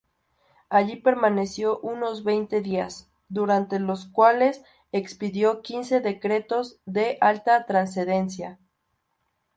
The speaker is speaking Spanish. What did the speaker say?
Allí permaneció unos veinte días, durante los cuales expidió quince Decretos de alta trascendencia.